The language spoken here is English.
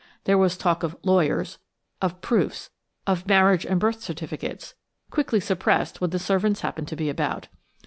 There was talk of "lawyers," of "proofs," of "marriage and birth certificates," quickly suppressed when the servants happened to be about.